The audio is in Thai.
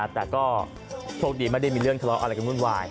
แต่ก็โชคดีไม่ได้มีเรื่องทะเลาะอะไรกันวุ่นวาย